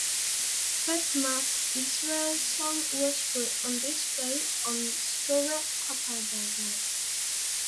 Fet-Mats Israelsson was put on display on Stora Kopparberget.